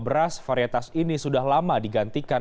beras varietas ini sudah lama digantikan